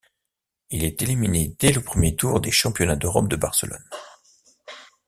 Il est éliminé dès le premier tour des Championnats d'Europe de Barcelone.